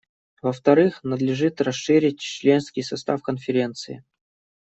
Во-вторых, надлежит расширить членский состав Конференции.